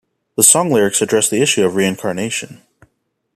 The song lyrics address the issue of reincarnation.